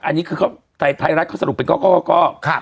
อันนี้คือไทยรัฐเขาสรุปเป็นก้อกก้อกก้อก